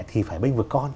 thì phải bênh vực con